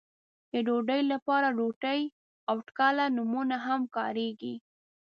د ډوډۍ لپاره روټۍ او ټکله نومونه هم کاريږي.